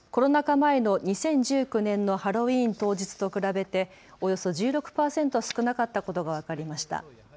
前の２０１９年のハロウィーン当日と比べておよそ１６％少なかったことが分かりました。